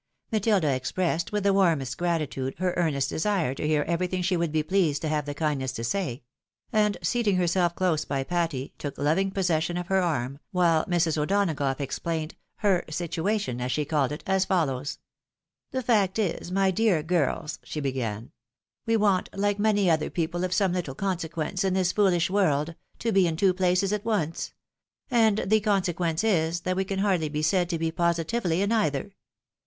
Matilda expressed, with the warmest gratitude, her earnest desire to hear everything she would be pleased to have the kind ness to say ; and seating herself close by Patty, took loving possession of her arm, while Mrs. O'Donagough explained " her situation," as she called it, a;s follows :—" The fact is, my dear girls," she began, " we want, like many other people of some httle consequence in this fooHsh world, to be in two places at once ; and the consequence is, that we can hardly be said to be positively in either.